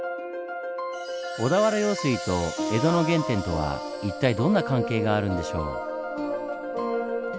小田原用水と江戸の原点とは一体どんな関係があるんでしょう？